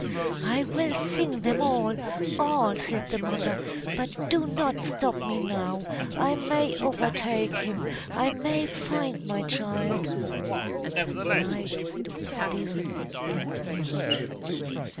"I will sing them all, all!" said the mother. "But do not stop me now I may overtake him I may find my child!" But Night stood still and mute.